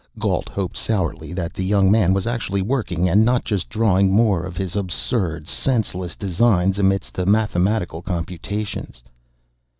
Gault hoped sourly that the young man was actually working and not just drawing more of his absurd, senseless designs amidst the mathematical computations....